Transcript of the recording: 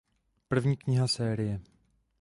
První kniha série.